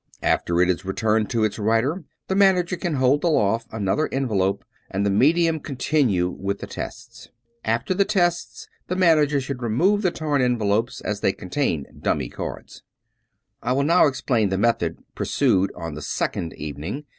After it is re turned to its writer, the manager can hold aloft another envelope and the medium continue with the tests. After the tests, the manager should remove the torn envelopes, as they contain " dummy " cards. 268 David P. Abbott I will now explain the method pursued on the second evening.